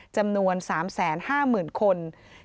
จำนวน๓๕๐๐๐คน